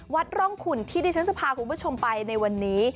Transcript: วัดร่องขุนที่ดิฉันจะพาคุณผู้ชมไปในวันนี้